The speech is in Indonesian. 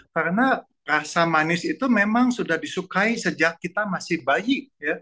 karena rasa manis itu memang sudah disukai sejak kita masih bayi